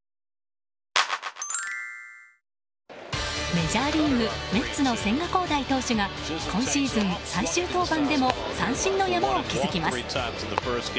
メジャーリーグメッツの千賀滉大投手が今シーズン最終登板でも三振の山を築きます。